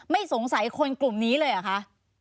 ไม่สงสัยคนกลุ่มนี้เลยเหรอคะ